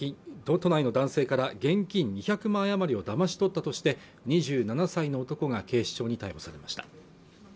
都内の男性から現金２００万円余りをだまし取ったとして２７歳の男が警視庁に逮捕されました